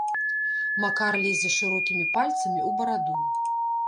Макар лезе шырокімі пальцамі ў бараду.